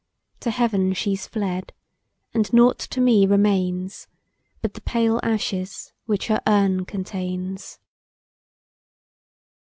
To Heaven she's fled! and nought to me remains But the pale ashes which her urn contains.